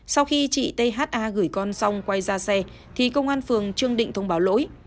sau khi chị t h a gửi con xong quay ra xe thì công an phường trường định thông báo lỗi